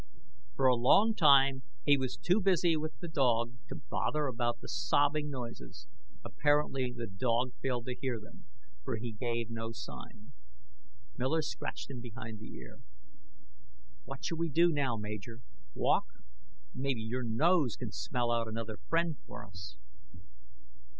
For a long time he was too busy with the dog to bother about the sobbing noises. Apparently the dog failed to hear them, for he gave no sign. Miller scratched him behind the ear. "What shall we do now, Major? Walk? Maybe your nose can smell out another friend for us."